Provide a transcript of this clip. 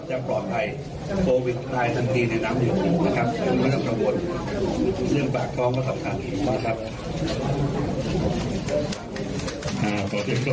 ก็จะปลอดภัยโปรวิดได้ทั้งทีในน้ำเดือดนะครับ